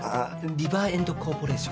リバーエンドコーポレーション。